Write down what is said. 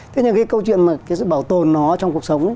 thế nhưng cái câu chuyện mà cái sự bảo tồn nó trong cuộc sống